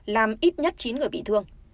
làm ít nhất chín người bị thương